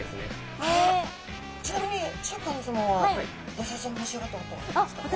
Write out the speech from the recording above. ちなみにシャーク香音さまはドジョウちゃんを召し上がったことはあるんですか？